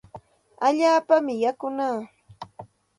Allaapami yakunaa.